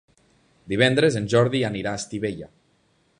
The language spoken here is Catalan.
Divendres en Jordi anirà a Estivella.